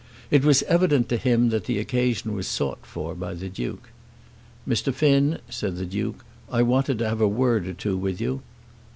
It was evident to him then that the occasion was sought for by the Duke. "Mr. Finn," said the Duke, "I wanted to have a word or two with you."